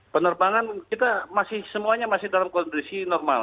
penerbangan kita masih semuanya masih dalam kondisi normal